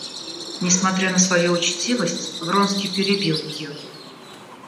Несмотря на свою учтивость, Вронский перебил ее.